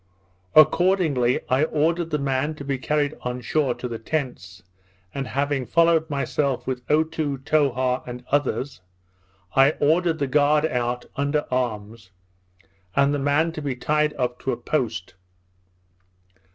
Accordingly, I ordered the man to be carried on shore to the tents, and having followed myself, with Otoo, Towha, and others, I ordered the guard out, under arms, and the man to be tied up to a post.